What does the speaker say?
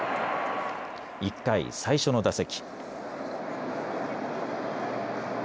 １回、最初の打席。